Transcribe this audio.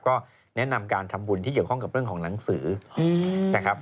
ก็แนะนำการทำบุญที่เกี่ยวข้องกับเรื่องของหนังสือนะครับ